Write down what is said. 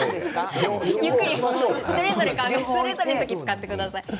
それぞれ使ってください。